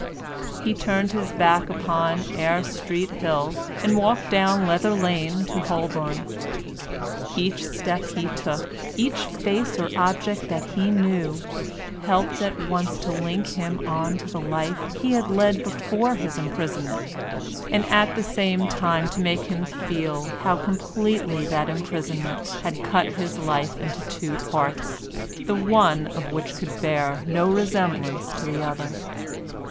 He turned his back upon Eyre Street Hill and walked down Leather Lane into Holborn. Each step he took, each face or object that he knew, helped at once to link him on to the life he had led before his imprisonment, and at the same time to make him feel how completely that imprisonment had cut his life into two parts, the one of which could bear no resemblance to the other.